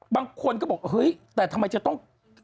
บางคนก็บอกเฮ้ยแต่ทำไมจะต้อง